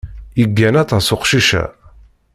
Yeggan aṭas uqcic-a.